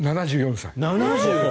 ７４歳。